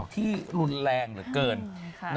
ก๋วยเตี๊ยวโหน่งก็ใกล้กับนั้น